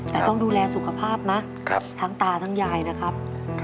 แต่ต้องดูแลสุขภาพนะทั้งตาทั้งยายนะครับ